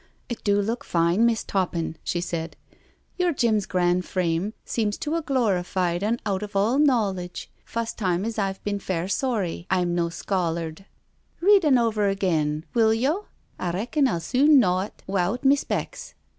It do look fine, Miss' Toppin," she said. " Your Jim's gran' frame seems to a glorified un out of all knowledge. Fust time as I've bin fair sorry I'm no scholard* Read un over agin, will yo'? I reckon I'll sune knaw it wi'out me specs."